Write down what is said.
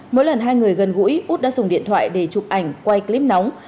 mỗi lần hai người gần gũi út đã dùng điện thoại để chụp ảnh quay clip nóng